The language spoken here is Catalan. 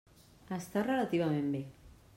Està relativament bé.